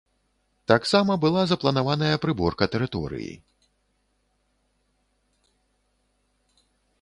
Таксама была запланаваная прыборка тэрыторыі.